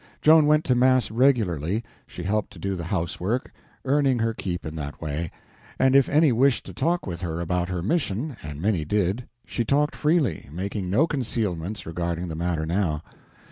Joan went to mass regularly, she helped do the housework, earning her keep in that way, and if any wished to talk with her about her mission—and many did—she talked freely, making no concealments regarding the matter now.